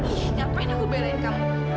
ngapain aku belain kamu